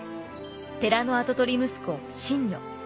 寺の跡取り息子信如。